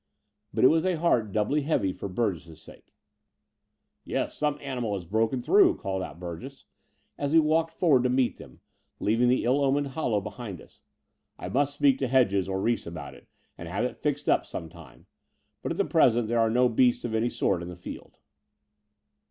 But it was a heart doubly heavy for Burgess's sake. Yes, some animal has broken through," called out Burgess, as we walked forward to meet them, leaving the ill omened hollow behind us. "I must speak to Hedges or Reece about it, and have it fixed up some time; but at present there are no beasts of any sort in the field."